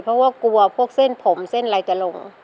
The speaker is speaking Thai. เพราะว่ากลัวพวกเส้นผมเส้นอะไรจะลง